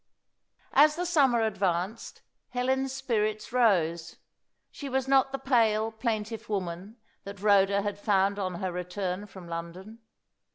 As the summer advanced, Helen's spirits rose. She was not the pale, plaintive woman that Rhoda had found on her return from London.